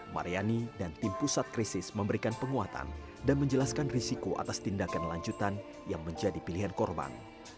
maryani dan tim pusat krisis memberikan penguatan dan menjelaskan risiko atas tindakan lanjutan yang menjadi pilihan korban